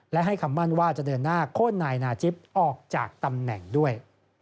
และให้คำมั่นว่าจะเดินหน้าโค้นนายนาจิปออกจากตำแหน่งด้วย